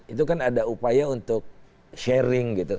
itu kan ada upaya untuk sharing gitu